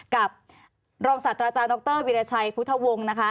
กับรองศัตรยาน็อเตอร์วิริชัยพุทธวงศ์นะคะ